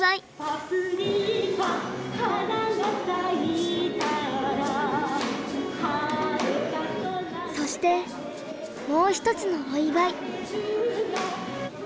「パプリカ花が咲いたら」そしてもう一つのお祝い。